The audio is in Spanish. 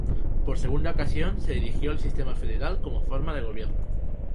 Por segunda ocasión, se erigió el sistema federal como forma de gobierno.